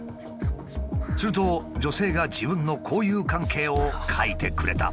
すると女性が自分の交友関係を書いてくれた。